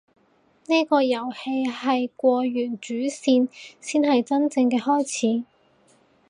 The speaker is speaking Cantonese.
呢個遊戲係過完主線先係真正嘅開始